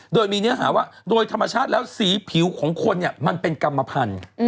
โดยมีเนื้อหาว่าโดยธรรมชาติแล้วสีผิวของคนเนี่ยมันเป็นกรรมพันธุ์